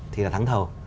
thì là thắng thầu